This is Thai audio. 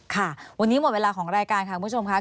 ค่ะวันนี้หมดเวลาของรายการค่ะคุณผู้ชมค่ะ